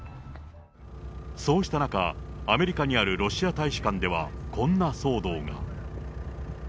そうした中、アメリカにあるロシア大使館ではこんな騒動が。